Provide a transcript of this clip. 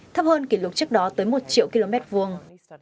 thấp hơn kỷ lục trước đó tới một triệu km vuông